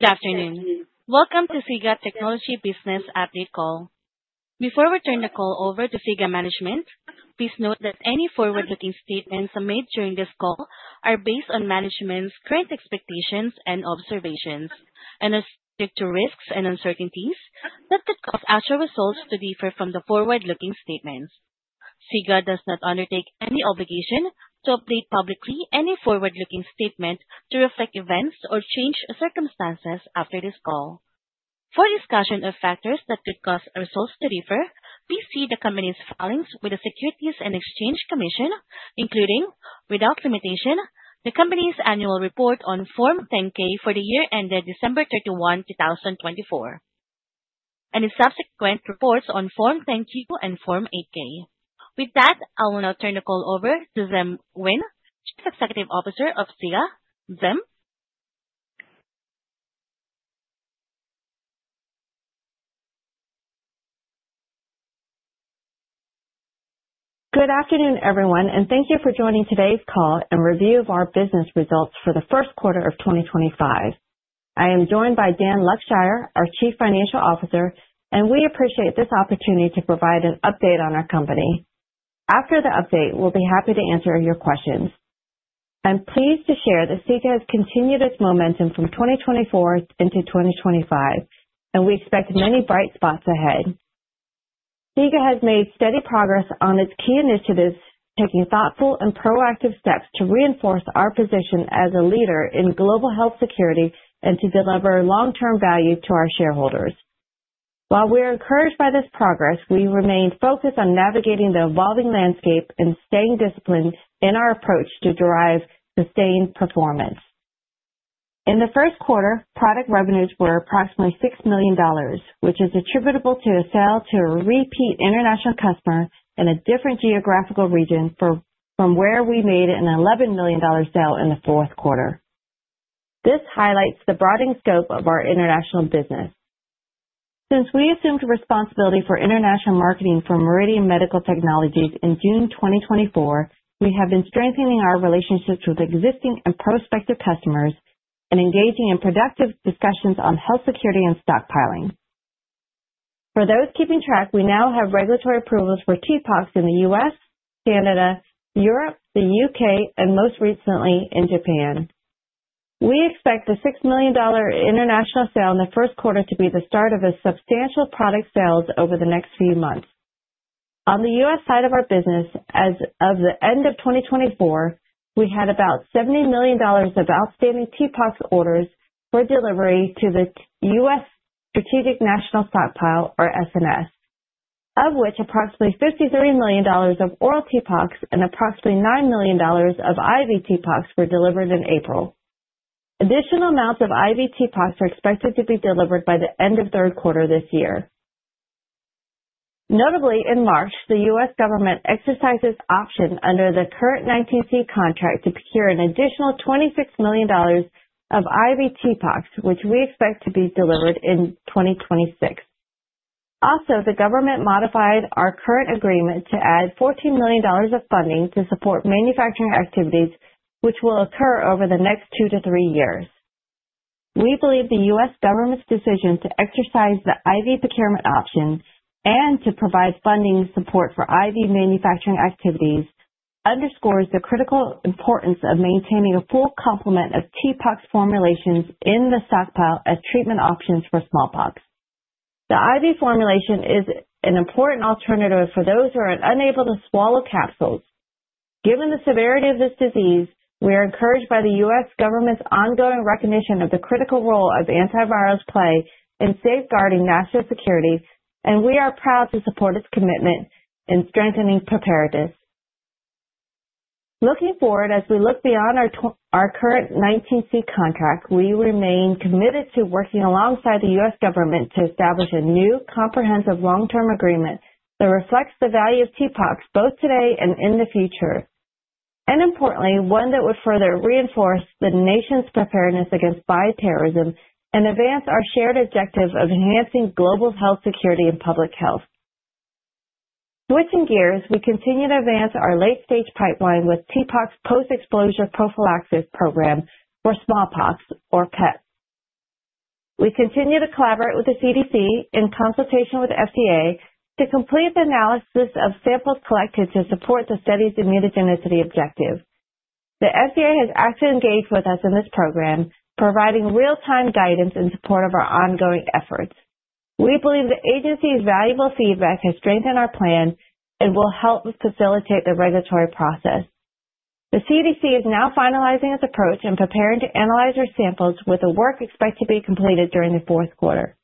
Good afternoon. Welcome to SIGA Technologies business update call. Before we turn the call over to SIGA management, please note that any forward-looking statements made during this call are based on management's current expectations and observations, and are subject to risks and uncertainties that could cause actual results to differ from the forward-looking statements. SIGA does not undertake any obligation to update publicly any forward-looking statement to reflect events or change circumstances after this call. For discussion of factors that could cause results to differ, please see the company's filings with the Securities and Exchange Commission, including, without limitation, the company's annual report on Form 10-K for the year ended December 31, 2024, and its subsequent reports on Form 10-Q and Form 8-K. With that, I will now turn the call over to Diem Nguyen, Chief Executive Officer of SIGA. Diem? Good afternoon, everyone, and thank you for joining today's call and review of our business results for the first quarter of 2025. I am joined by Daniel Luckshire, our Chief Financial Officer, and we appreciate this opportunity to provide an update on our company. After the update, we'll be happy to answer your questions. I'm pleased to share that SIGA has continued its momentum from 2024 into 2025, and we expect many bright spots ahead. SIGA has made steady progress on its key initiatives, taking thoughtful and proactive steps to reinforce our position as a leader in global health security and to deliver long-term value to our shareholders. While we are encouraged by this progress, we remain focused on navigating the evolving landscape and staying disciplined in our approach to derive sustained performance. In the first quarter, product revenues were approximately $6 million, which is attributable to a sale to a repeat international customer in a different geographical region from where we made an $11 million sale in the fourth quarter. This highlights the broadening scope of our international business. Since we assumed responsibility for international marketing for Meridian Medical Technologies in June 2024, we have been strengthening our relationships with existing and prospective customers and engaging in productive discussions on health security and stockpiling. For those keeping track, we now have regulatory approvals for TPOXX in the U.S., Canada, Europe, the U.K., and most recently in Japan. We expect the $6 million international sale in the first quarter to be the start of substantial product sales over the next few months. On the U.S. side of our business, as of the end of 2024, we had about $70 million of outstanding TPOXX orders for delivery to the U.S. Strategic National Stockpile, or SNS, of which approximately $53 million of oral TPOXX and approximately $9 million of IV TPOXX were delivered in April. Additional amounts of IV TPOXX are expected to be delivered by the end of the third quarter this year. Notably, in March, the U.S. government exercised its option under the current 19C contract to procure an additional $26 million of IV TPOXX, which we expect to be delivered in 2026. Also, the government modified our current agreement to add $14 million of funding to support manufacturing activities, which will occur over the next two to three years. We believe the U.S. government's decision to exercise the IV procurement option and to provide funding support for IV manufacturing activities underscores the critical importance of maintaining a full complement of TPOXX formulations in the stockpile as treatment options for smallpox. The IV formulation is an important alternative for those who are unable to swallow capsules. Given the severity of this disease, we are encouraged by the U.S. government's ongoing recognition of the critical role antivirals play in safeguarding national security, and we are proud to support its commitment in strengthening preparedness. Looking forward, as we look beyond our current 19C contract, we remain committed to working alongside the U.S. government to establish a new comprehensive long-term agreement that reflects the value of TPOXX both today and in the future, and importantly, one that would further reinforce the nation's preparedness against bioterrorism and advance our shared objective of enhancing global health security and public health. Switching gears, we continue to advance our late-stage pipeline with TPOXX post-exposure prophylaxis program for smallpox, or PEP. We continue to collaborate with the CDC in consultation with the FDA to complete the analysis of samples collected to support the study's immunogenicity objective. The FDA has actively engaged with us in this program, providing real-time guidance in support of our ongoing efforts. We believe the agency's valuable feedback has strengthened our plan and will help facilitate the regulatory process. The CDC is now finalizing its approach and preparing to analyze our samples, with the work expected to be completed during the fourth quarter.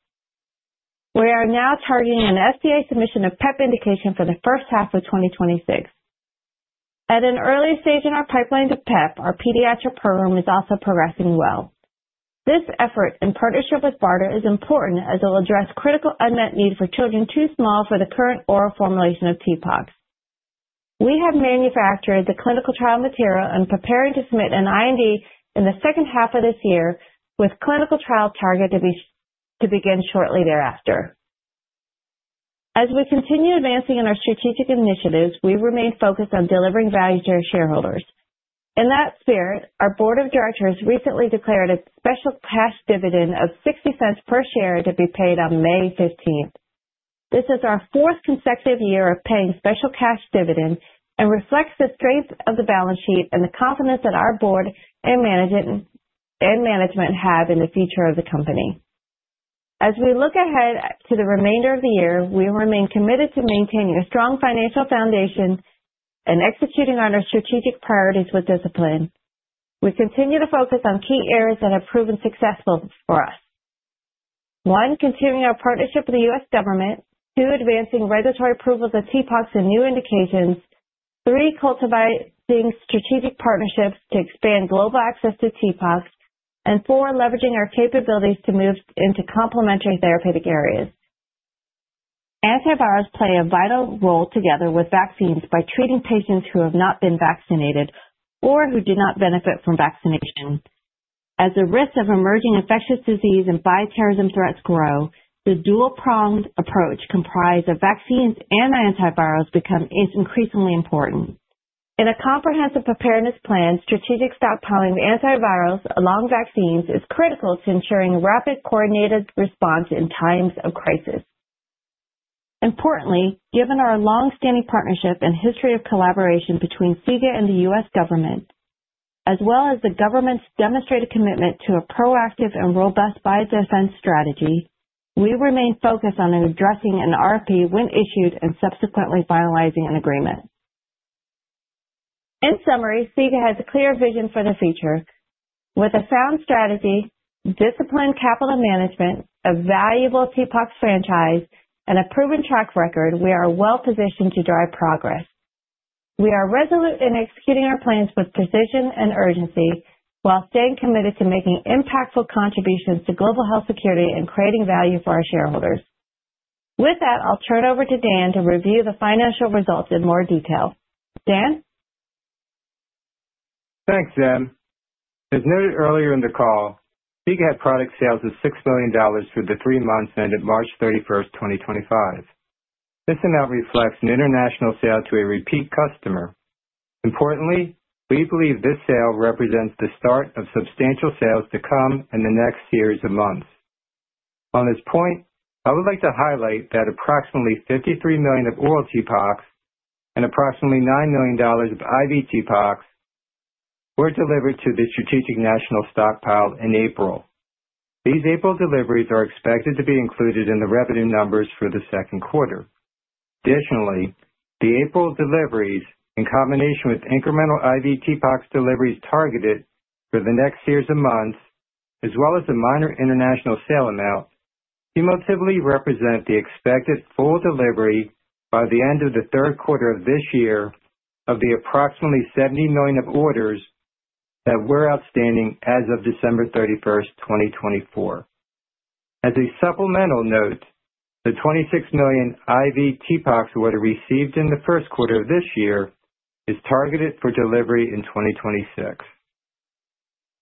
We are now targeting an FDA submission of PEP indication for the first half of 2026. At an early stage in our pipeline to PEP, our pediatric program is also progressing well. This effort, in partnership with BARDA, is important as it will address the critical unmet need for children too small for the current oral formulation of TPOXX. We have manufactured the clinical trial material and are preparing to submit an IND in the second half of this year, with the clinical trial target to begin shortly thereafter. As we continue advancing in our strategic initiatives, we remain focused on delivering value to our shareholders. In that spirit, our board of directors recently declared a special cash dividend of $0.60 per share to be paid on May 15th. This is our fourth consecutive year of paying special cash dividend and reflects the strength of the balance sheet and the confidence that our board and management have in the future of the company. As we look ahead to the remainder of the year, we remain committed to maintaining a strong financial foundation and executing on our strategic priorities with discipline. We continue to focus on key areas that have proven successful for us: one, continuing our partnership with the U.S. government, two, advancing regulatory approvals of TPOXX and new indications; three, cultivating strategic partnerships to expand global access to TPOXX, and four, leveraging our capabilities to move into complementary therapeutic areas. Antivirals play a vital role together with vaccines by treating patients who have not been vaccinated or who do not benefit from vaccination. As the risks of emerging infectious disease and bioterrorism threats grow, the dual-pronged approach comprised of vaccines and antivirals becomes increasingly important. In a comprehensive preparedness plan, strategic stockpiling of antivirals along with vaccines is critical to ensuring rapid, coordinated response in times of crisis. Importantly, given our long-standing partnership and history of collaboration between SIGA and the U.S. government, as well as the government's demonstrated commitment to a proactive and robust biodefense strategy, we remain focused on addressing an RFP when issued and subsequently finalizing an agreement. In summary, SIGA has a clear vision for the future. With a sound strategy, disciplined capital management, a valuable TPOXX franchise, and a proven track record, we are well-positioned to drive progress. We are resolute in executing our plans with precision and urgency while staying committed to making impactful contributions to global health security and creating value for our shareholders. With that, I'll turn it over to Dan to review the financial results in more detail. Dan? Thanks, Diem. As noted earlier in the call, SIGA had product sales of $6 million through the three months ended March 31, 2025. This amount reflects an international sale to a repeat customer. Importantly, we believe this sale represents the start of substantial sales to come in the next series of months. On this point, I would like to highlight that approximately $53 million of oral TPOXX and approximately $9 million of IV TPOXX were delivered to the Strategic National Stockpile in April. These April deliveries are expected to be included in the revenue numbers for the second quarter. Additionally, the April deliveries, in combination with incremental IV TPOXX deliveries targeted for the next series of months, as well as the minor international sale amount, cumulatively represent the expected full delivery by the end of the third quarter of this year of the approximately $70 million of orders that were outstanding as of December 31, 2024. As a supplemental note, the $26 million IV TPOXX that were received in the first quarter of this year is targeted for delivery in 2026.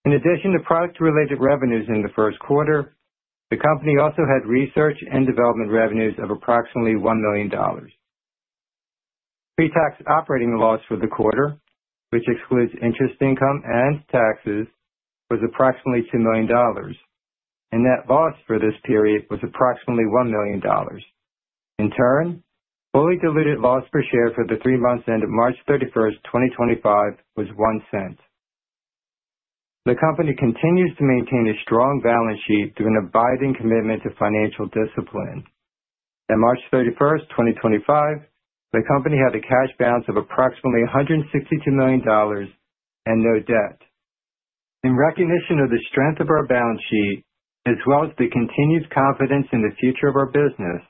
In addition to product-related revenues in the first quarter, the company also had research and development revenues of approximately $1 million. Pretax operating loss for the quarter, which excludes interest income and taxes, was approximately $2 million, and net loss for this period was approximately $1 million. In turn, fully diluted loss per share for the three months ended March 31, 2025, was $0.01. The company continues to maintain a strong balance sheet through an abiding commitment to financial discipline. At March 31, 2025, the company had a cash balance of approximately $162 million and no debt. In recognition of the strength of our balance sheet, as well as the continued confidence in the future of our business,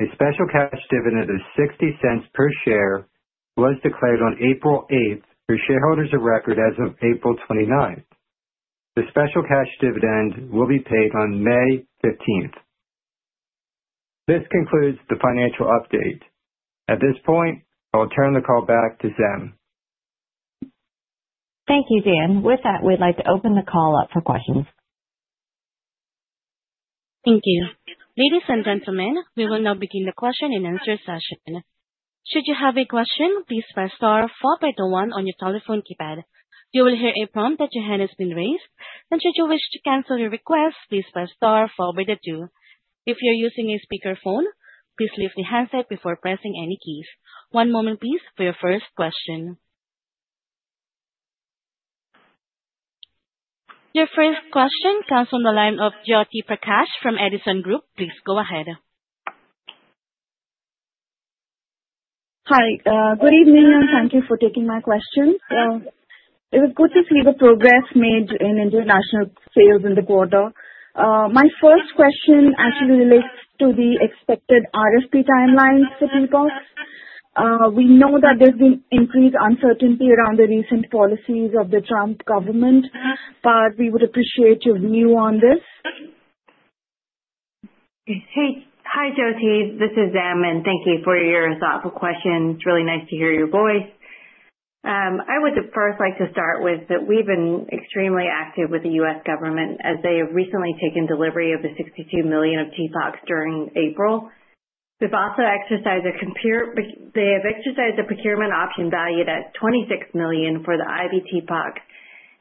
a special cash dividend of $0.60 per share was declared on April 8 for shareholders of record as of April 29. The special cash dividend will be paid on May 15th. This concludes the financial update. At this point, I will turn the call back to Zim. Thank you, Dan. With that, we'd like to open the call up for questions. Thank you. Ladies and gentlemen, we will now begin the question-and-answer session. Should you have a question, please press star four by the one on your telephone keypad. You will hear a prompt that your hand has been raised, and should you wish to cancel your request, please press star four by the two. If you're using a speakerphone, please lift the handset before pressing any keys. One moment, please, for your first question. Your first question comes from the line of Jyoti Prakash from Edison Group. Please go ahead. Hi. Good evening, and thank you for taking my question. It was good to see the progress made in international sales in the quarter. My first question actually relates to the expected RFP timelines for TPOXX. We know that there's been increased uncertainty around the recent policies of the Trump government, but we would appreciate your view on this. Hey, hi, Jyoti. This is Zim, and thank you for your thoughtful question. It's really nice to hear your voice. I would first like to start with that we've been extremely active with the U.S. government as they have recently taken delivery of the $62 million of TPOXX during April. They've also exercised a procurement option valued at $26 million for the IV TPOXX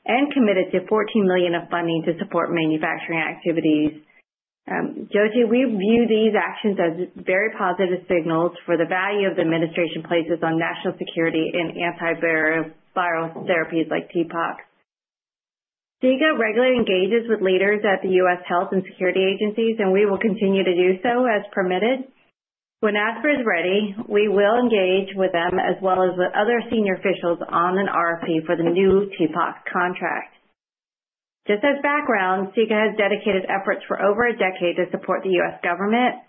and committed to $14 million of funding to support manufacturing activities. Jyoti, we view these actions as very positive signals for the value the administration places on national security in antiviral therapies like TPOXX. SIGA regularly engages with leaders at the US health and security agencies, and we will continue to do so as permitted. When ASPR is ready, we will engage with them as well as with other senior officials on an RFP for the new TPOXX contract. Just as background, SIGA has dedicated efforts for over a decade to support the U.S. government.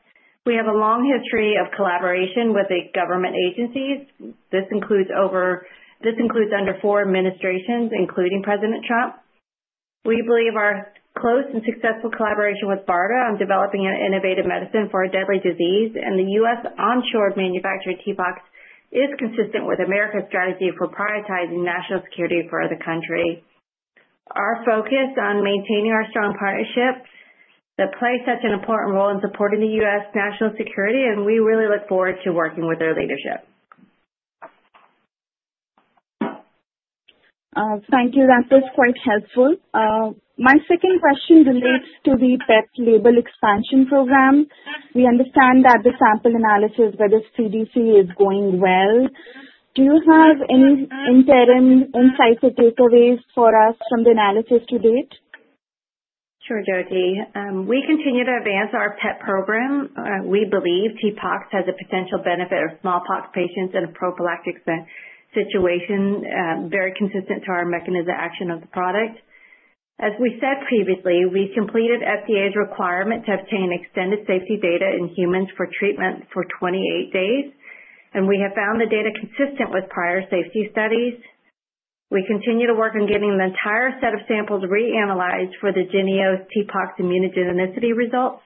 We have a long history of collaboration with government agencies. This includes under four administrations, including President Trump. We believe our close and successful collaboration with BARDA on developing an innovative medicine for a deadly disease and the U.S. onshore manufacturing of TPOXX is consistent with America's strategy of prioritizing national security for the country. Our focus on maintaining our strong partnerships plays such an important role in supporting the U.S. national security, and we really look forward to working with their leadership. Thank you. That was quite helpful. My second question relates to the PEP label expansion program. We understand that the sample analysis by the CDC is going well. Do you have any interim, insightful takeaways for us from the analysis to date? Sure, Jyoti. We continue to advance our PEP program. We believe TPOXX has a potential benefit for smallpox patients in a prophylactic situation, very consistent to our mechanism of action of the product. As we said previously, we completed FDA's requirement to obtain extended safety data in humans for treatment for 28 days, and we have found the data consistent with prior safety studies. We continue to work on getting the entire set of samples reanalyzed for the JYNNEOS TPOXX immunogenicity results.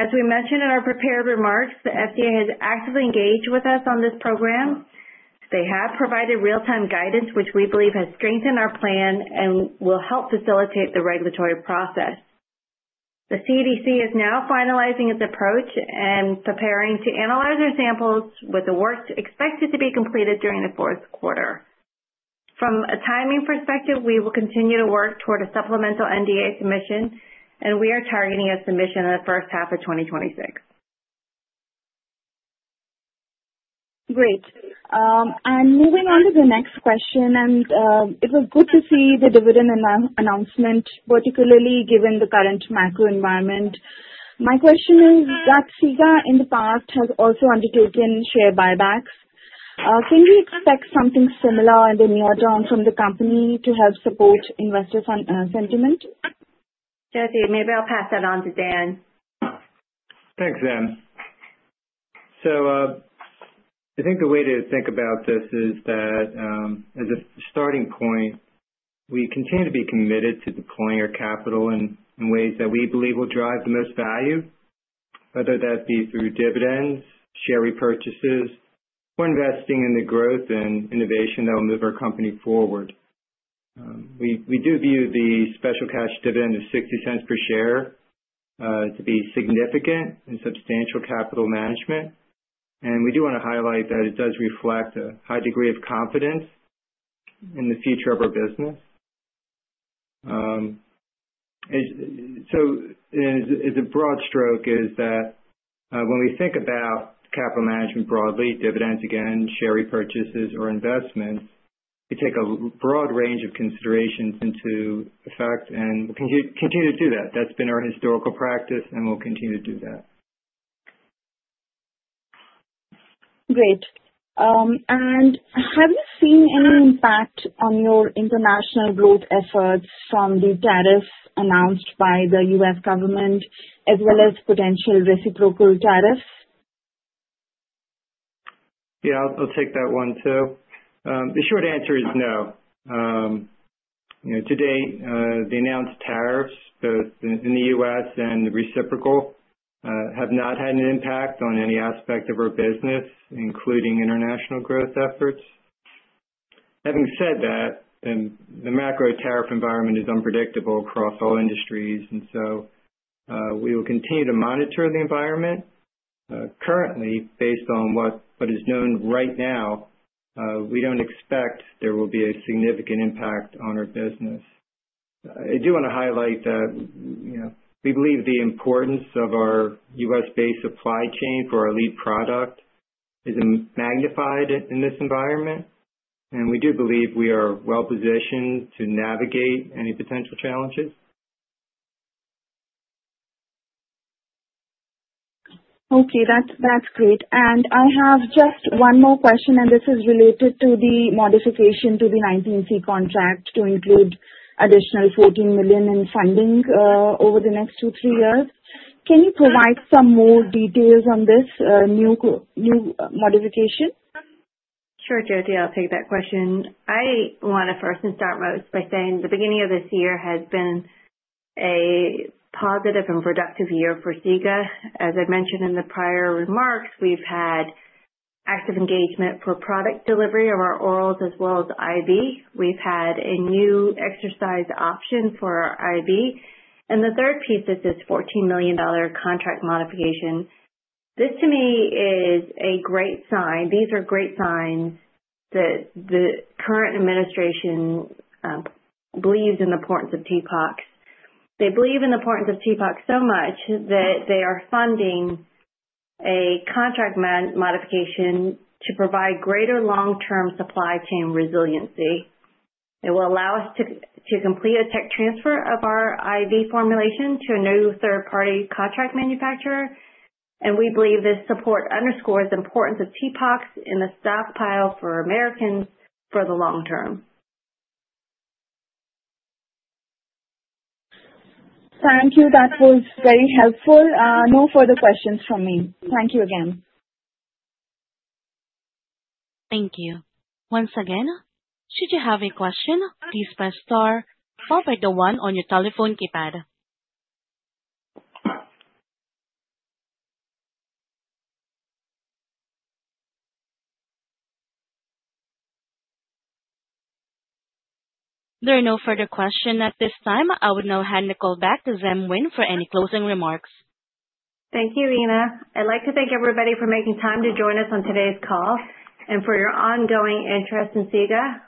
As we mentioned in our prepared remarks, the FDA has actively engaged with us on this program. They have provided real-time guidance, which we believe has strengthened our plan and will help facilitate the regulatory process. The CDC is now finalizing its approach and preparing to analyze our samples with the work expected to be completed during the fourth quarter. From a timing perspective, we will continue to work toward a supplemental NDA submission, and we are targeting a submission in the first half of 2026. Great. Moving on to the next question, it was good to see the dividend announcement, particularly given the current macro environment. My question is that SIGA in the past has also undertaken share buybacks. Can we expect something similar in the near term from the company to help support investors' sentiment? Jyoti, maybe I'll pass that on to Dan. Thanks, Diem. I think the way to think about this is that as a starting point, we continue to be committed to deploying our capital in ways that we believe will drive the most value, whether that be through dividends, share repurchases, or investing in the growth and innovation that will move our company forward. We do view the special cash dividend of $0.60 per share to be significant and substantial capital management, and we do want to highlight that it does reflect a high degree of confidence in the future of our business. As a broad stroke is that when we think about capital management broadly, dividends, again, share repurchases, or investments, we take a broad range of considerations into effect and continue to do that. That's been our historical practice, and we'll continue to do that. Great. Have you seen any impact on your international growth efforts from the tariffs announced by the U.S. government as well as potential reciprocal tariffs? Yeah, I'll take that one too. The short answer is no. To date, the announced tariffs, both in the U.S. and reciprocal, have not had an impact on any aspect of our business, including international growth efforts. Having said that, the macro tariff environment is unpredictable across all industries, and so we will continue to monitor the environment. Currently, based on what is known right now, we don't expect there will be a significant impact on our business. I do want to highlight that we believe the importance of our U.S.-based supply chain for our lead product is magnified in this environment, and we do believe we are well-positioned to navigate any potential challenges. Okay, that's great. I have just one more question, and this is related to the modification to the 19C contract to include additional $14 million in funding over the next two, three years. Can you provide some more details on this new modification? Sure, Jyoti. I'll take that question. I want to first and start most by saying the beginning of this year has been a positive and productive year for SIGA. As I mentioned in the prior remarks, we've had active engagement for product delivery of our orals as well as IV. We've had a new exercise option for our IV. The third piece, this is a $14 million contract modification. This, to me, is a great sign. These are great signs that the current administration believes in the importance of TPOXX. They believe in the importance of TPOXX so much that they are funding a contract modification to provide greater long-term supply chain resiliency. It will allow us to complete a tech transfer of our IV formulation to a new third-party contract manufacturer, and we believe this support underscores the importance of TPOXX in the stockpile for Americans for the long term. Thank you. That was very helpful. No further questions from me. Thank you again. Thank you. Once again, should you have a question, please press star four by the one on your telephone keypad. There are no further questions at this time. I would now hand the call back to Diem Nguyen for any closing remarks. Thank you, Rena. I'd like to thank everybody for making time to join us on today's call and for your ongoing interest in SIGA.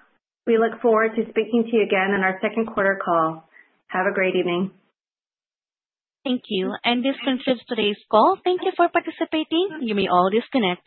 We look forward to speaking to you again in our second quarter call. Have a great evening. Thank you. This concludes today's call. Thank you for participating. You may all disconnect.